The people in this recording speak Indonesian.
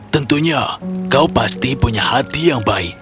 tentunya kau pasti punya hati yang baik